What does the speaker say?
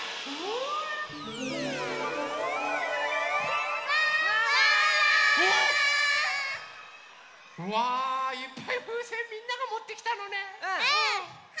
ワンワーン！わいっぱいふうせんみんながもってきたのね。